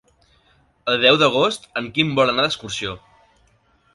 El deu d'agost en Quim vol anar d'excursió.